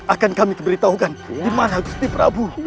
akan kami beritahukan dimana keberadaan prabu sriwangi